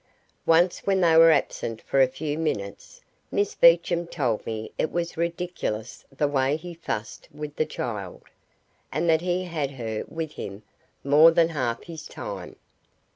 Once when they were absent for a few minutes, Miss Beecham told me it was ridiculous the way he fussed with the child, and that he had her with him more than half his time.